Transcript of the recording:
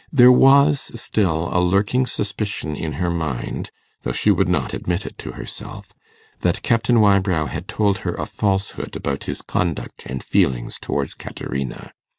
There was still a lurking suspicion in her mind, though she would not admit it to herself, that Captain Wybrow had told her a falsehood about his conduct and feelings towards Caterina.